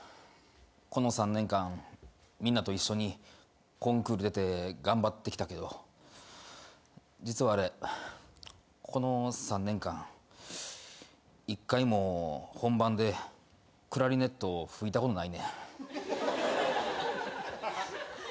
この３年間みんなと一緒にコンクール出て頑張ってきたけど実は俺この３年間一回も本番でクラリネット吹いたことないねん。